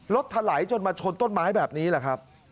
ถลายจนมาชนต้นไม้แบบนี้แหละครับ